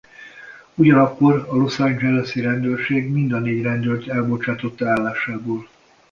Ugyanakkor a Los Angeles-i rendőrség mind a négy rendőrt elbocsátotta állásából.